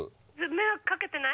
☎迷惑かけてない？